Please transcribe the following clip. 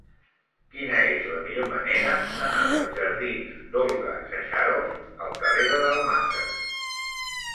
Quina és la millor manera d'anar dels jardins d'Olga Sacharoff al carrer de Dalmases?